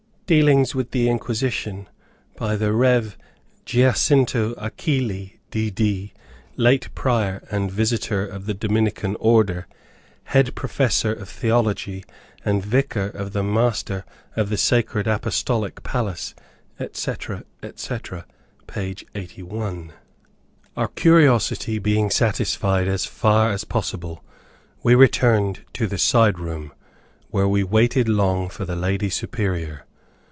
Dealings with the Inquisition, by the Rev. Giacinto Achilli D. D., late Prior and Visitor of the Dominican Order, Head Professor of Theology and Vicar of the master of the Sacred Apostolic Palace, etc., etc., page 81.] Our curiosity being satisfied as far as possible, we returned to the side room, where we waited long for the lady Superior.